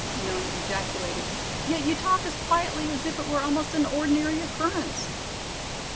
Nona ejaculated. "Yet you talk as quietly as if it were almost an ordinary occurrence!"